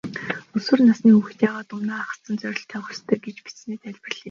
Өсвөр насны хүүхэд яагаад өмнөө ахадсан зорилт тавих ёстой гэж бичсэнээ тайлбарлая.